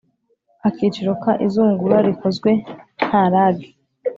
Akiciro ka izungura rikozwe nta rage